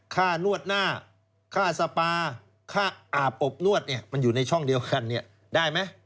ค่านวดหน้าค่าสปาค่าอาบอบนวดเนี่ยมันอยู่ในช่องเดียวกันได้ไหม